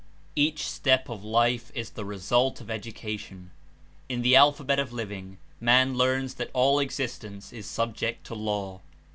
Each step of life is the result of education. In the alphabet of living, man learns that all existence is subject to law.